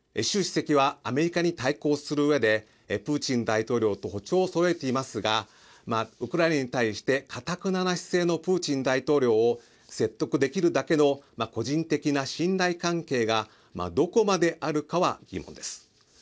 習主席はアメリカに対抗するうえでプーチン大統領と歩調をそろえていますがウクライナに対してかたくなな姿勢のプーチン大統領を説得できるだけの個人的な信頼関係がどこまであるかは疑問です。